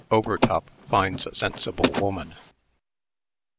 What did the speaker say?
OVERTOP FINDS A SENSIBLE WOMAN.